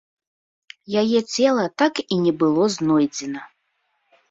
Яе цела так і не было знойдзена.